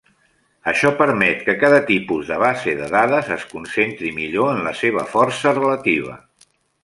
Això permet que cada tipus de base de dades es concentri millor en la seva força relativa.